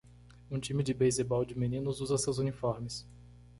Um time de beisebol de meninos usa seus uniformes.